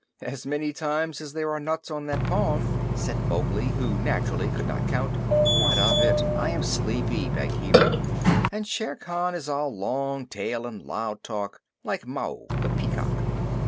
"As many times as there are nuts on that palm," said Mowgli, who, naturally, could not count. "What of it? I am sleepy, Bagheera, and Shere Khan is all long tail and loud talk like Mao, the Peacock."